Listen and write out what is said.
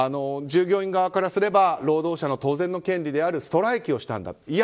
従業員側からすれば労働者の当然の権利であるストライキをしたんだと。